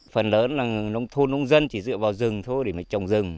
phần lớn là thôn nông dân chỉ dựa vào rừng thôi để mà trồng rừng